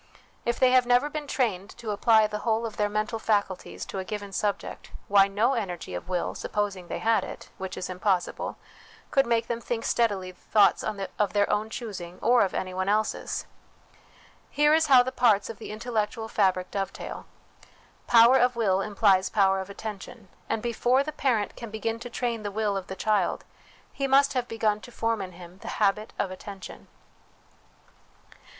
If they have never been trained to apply the whole of their mental faculties to a given subject, why, no energy of will, supposing they had it, which is impossible, could make them think steadily thoughts of their own choosing or of anyone else's. Here is how the parts of the intellectual fabric dovetail : power of will implies power of attention ; and before the parent can begin to train the will of the child, he must have begun to form intiim the habit of attention.